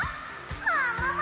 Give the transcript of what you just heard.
ももも！